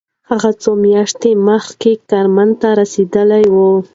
هغه څو میاشتې مخکې کرمان ته رسېدلی و.